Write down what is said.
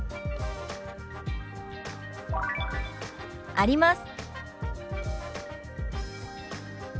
「あります」。